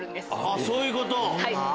あっそういうこと！